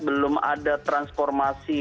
belum ada transformasi